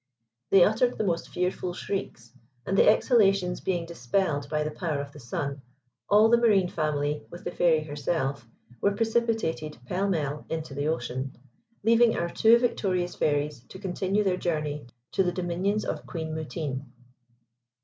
They uttered the most fearful shrieks, and the exhalations being dispelled by the power of the sun, all the Marine family, with the Fairy herself, were precipitated pell mell into the ocean, leaving our two victorious Fairies to continue their journey to the dominions of Queen Mutine.